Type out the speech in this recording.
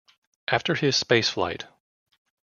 After his spaceflight.